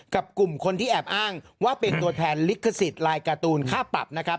กับกลุ่มคนที่แอบอ้างว่าเป็นตัวแทนลิขสิทธิ์ลายการ์ตูนค่าปรับนะครับ